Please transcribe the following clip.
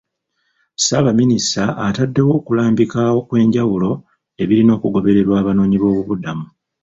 Ssaabaminisita ataddewo okulambika okw'enjawulo ebirina okugobererwa abanoonyiboobubudamu.